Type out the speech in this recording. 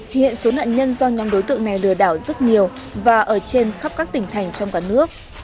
hiện số nạn nhân do nhóm đối tượng này lừa đảo rất nhiều và ở trên khắp các tỉnh thành trong cả nước